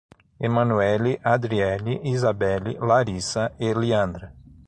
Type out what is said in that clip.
Emanuelly, Adrielly, Isabelli, Laryssa e Liandra